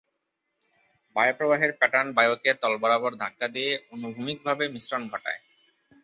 বায়ুপ্রবাহের pattern বায়ুকে তল বরাবর ধাক্কা দিয়ে অনুভূমিকভাবে মিশ্রণ ঘটায়।